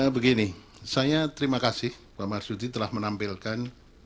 begini saya terima kasih pak marsudi telah menampilkan